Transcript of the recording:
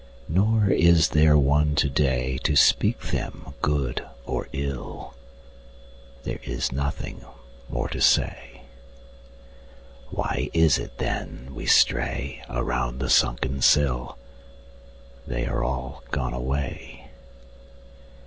Nor is there one today To speak them good or ill: There is nothing more to say. Why is it then we stray Around the sunken sill? They are all gone away.